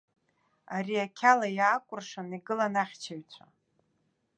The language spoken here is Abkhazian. Ари ақьала иаакәыршан игылан ихьчаҩцәа.